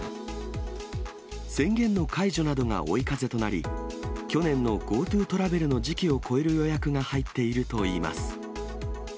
宣言の解除などが追い風となり、去年のＧｏＴｏトラベルの時期を超える予約が入っているといいます。